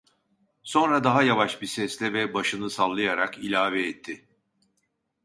Sonra daha yavaş bir sesle ve başını sallayarak ilave etti: